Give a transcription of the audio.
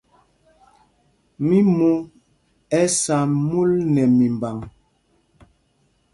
Mimo ɛ sá mul nɛ mimbǎŋ.